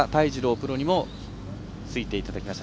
プロにもついていただきました。